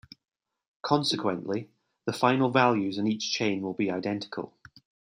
Consequently, the final values in each chain will be identical.